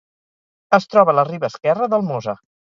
Es troba a la riba esquerra del Mosa.